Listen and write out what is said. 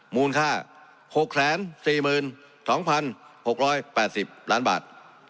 มูลค่า๖๔๒๖๘๐ล้านบาท